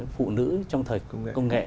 phụ nữ trong thời công nghệ